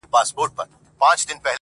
مور د کور درد زغمي,